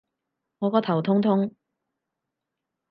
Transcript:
我個頭痛痛